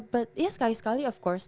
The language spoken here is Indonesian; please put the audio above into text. but ya sekali sekali of course